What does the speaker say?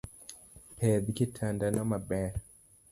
Pedh kitanda no maber